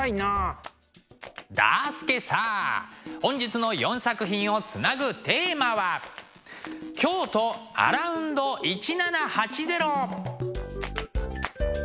だすけさ本日の４作品をつなぐテーマは「京都アラウンド１７８０」！